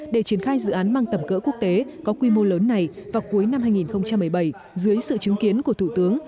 để triển khai dự án mang tầm cỡ quốc tế có quy mô lớn này vào cuối năm hai nghìn một mươi bảy dưới sự chứng kiến của thủ tướng